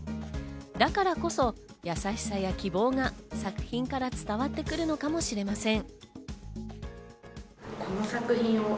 だからこそ優しさや希望が作品から伝わってくるのかもしれません。